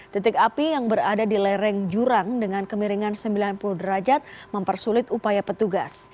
titik api yang berada di lereng jurang dengan kemiringan sembilan puluh derajat mempersulit upaya petugas